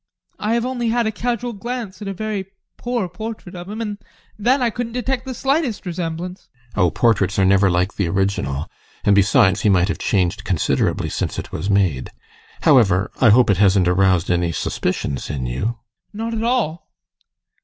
I have only had a casual glance at a very poor portrait of him, and then I couldn't detect the slightest resemblance. GUSTAV. Oh, portraits are never like the original, and, besides, he might have changed considerably since it was made. However, I hope it hasn't aroused any suspicions in you? ADOLPH. Not at all.